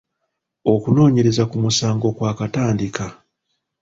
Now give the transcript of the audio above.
Okunoonyereza ku musango kwakatandika.